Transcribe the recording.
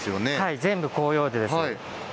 全部、広葉樹です。